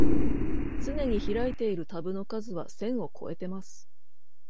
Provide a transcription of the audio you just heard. つねに開いているタブの数は千をこえてます